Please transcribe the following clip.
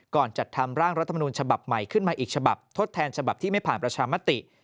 จัดทำร่างรัฐมนูลฉบับใหม่ขึ้นมาอีกฉบับทดแทนฉบับที่ไม่ผ่านประชามติ